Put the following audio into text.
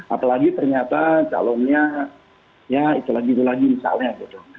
apalagi ternyata calonnya ya itu lagi itu lagi misalnya gitu